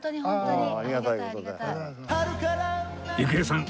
郁恵さん